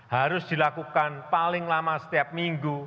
harus dilakukan paling lama setiap minggu